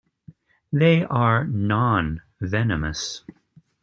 They are non-venomous.